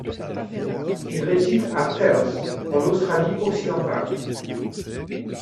Il réside à Perth en Australie-Occidentale.